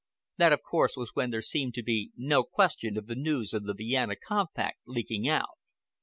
That, of course, was when there seemed to be no question of the news of the Vienna compact leaking out.